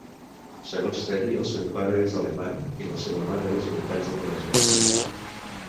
Segons Teri, el seu pare és alemany i la seva mare és meitat japonesa.